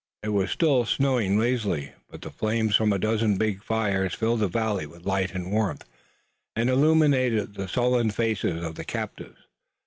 It was still snowing lazily, but the flames from a dozen big fires filled the valley with light and warmth and illuminated the sullen faces of the captives.